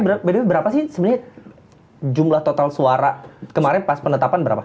berarti berapa sih sebenarnya jumlah total suara kemarin pas penetapan berapa